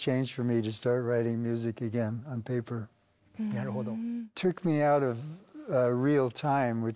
なるほど。